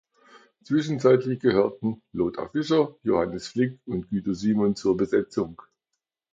Zwischenzeitlich gehörten Lothar Fischer, Johannes Flick und Guido Simon zur Besetzung.